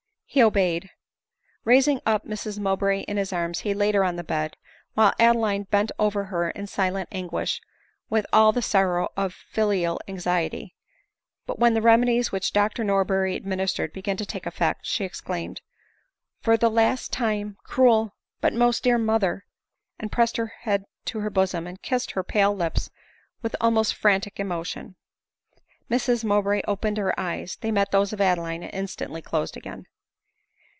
He obeyed. Raising up Mrs Mowbray in his arms he laid her on the bed, while Adeline bent over her in silent anguish, with all the sorrow of filial anxiety. But when the remedies which Dr Norberry adminis tered began to take effect, she exclaimed,, " For the last time! Cruel, but. most dear mother ! ,v and pressed her head to her bosom, and kissed her pale lips with almost frantic emotion. Mrs Mowbray opened her eyes ; they met those of Adeline, and instantly closed again.